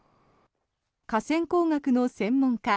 河川工学の専門家